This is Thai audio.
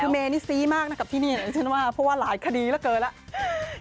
คือเมนี่ซี้มากนะครับกับที่นี่ฉันว่าเพราะว่าหลายคดีเหลือเกินแล้ว